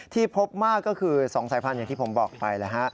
ที่พบมากก็คือ๒สายพันธุ์อย่างที่ผมบอกไปแล้วฮะ